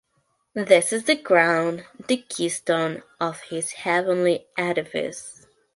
This is the crown, the keystone of this heavenly edifice.